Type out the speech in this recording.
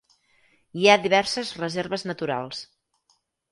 Hi ha diverses reserves naturals.